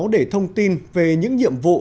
để thông tin về những nhiệm vụ